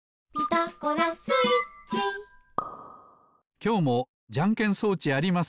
きょうもじゃんけん装置あります。